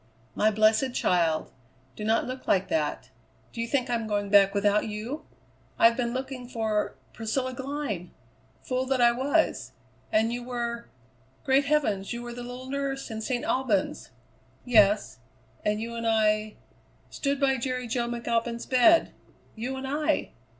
"My blessed child! Do not look like that. Do you think I'm going back without you? I've been looking for Priscilla Glynn fool that I was! And you were great heavens! You were the little nurse in St. Albans!" "Yes and you and I stood by Jerry Jo McAlpin's bed you and I!